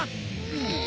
うん。